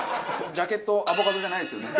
ジャケットアボカドじゃないですよね？